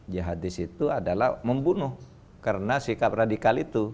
jihadis itu adalah membunuh karena sikap radikal itu